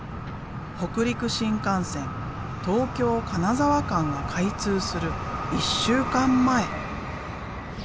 北陸新幹線東京金沢間が開通する１週間前。